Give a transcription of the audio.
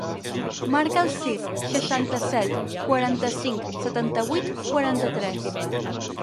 Marca el sis, seixanta-set, quaranta-cinc, setanta-vuit, quaranta-tres.